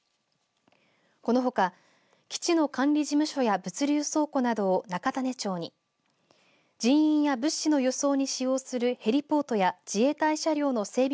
このほか基地の管理事務所や物流倉庫などを中種子町に人員や物資の輸送に使用するヘリポートや自衛隊車両の整備